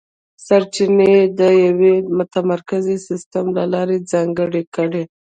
سرچینې یې د یوه متمرکز سیستم له لارې ځانګړې کړې.